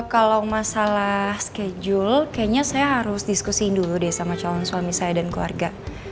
kalau masalah schedule kayaknya saya harus diskusiin dulu deh sama calon suami saya dan keluarga